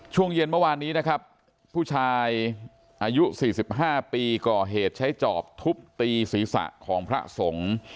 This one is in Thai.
ช่วงเย็นเมื่อวานนี้นะครับผู้ชายอายุ๔๕ปีก่อเหตุใช้จอบทุบตีศีรษะของพระสงฆ์